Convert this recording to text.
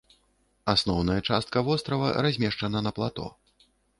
Асноўная частка вострава размешчана на плато.